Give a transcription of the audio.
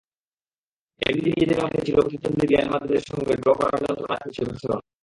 এমনিতেই নিজেদের মাঠে চিরপ্রতিদ্বন্দ্বী রিয়াল মাদ্রিদের সঙ্গে ড্র করার যন্ত্রণায় পুড়ছে পুরো বার্সেলোনা।